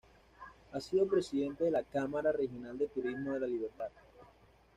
Ha sido presidente de la Cámara Regional de Turismo de La Libertad.